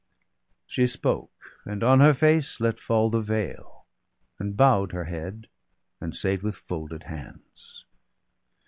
She spoke, and on her face let fall her veil, And bow'd her head, and sate with folded hands.